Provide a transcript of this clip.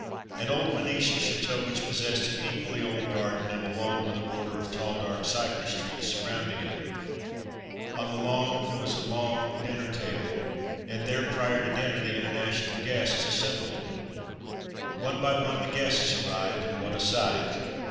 An old Venetian chateau which possessed an equal An International Dinner 233 ly old garden and a lawn, with a border of tall dark cypress trees surrounding it. On the lawn was a long dinner table, and there, prior to dinner, the International guests assembled. One by one the guests arrived, and what a sight!